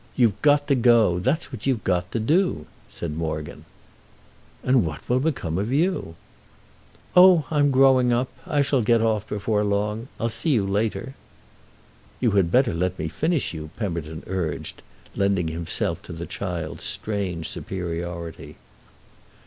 You've got to go—that's what you've got to do," said Morgan. "And what will become of you?" "Oh I'm growing up. I shall get off before long. I'll see you later." "You had better let me finish you," Pemberton urged, lending himself to the child's strange superiority.